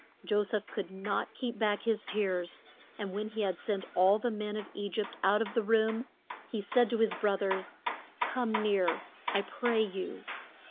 Jo seph could not keep back his tears, and when he had sent all the men of E gypt out of the room, he said to his broth ers, Come near, I pray you.